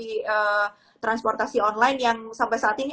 ada beberapa pengemudi transportasi online yang sampai saat ini